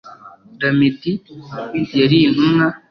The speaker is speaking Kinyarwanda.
Lamedi yari intumwa